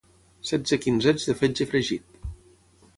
setze quinzets de fetge fregit